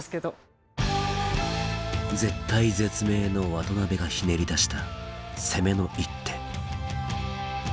絶体絶命の渡辺がひねり出した攻めの一手